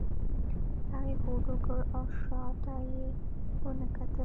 هغې هوډ وکړ او شا ته یې ونه کتل.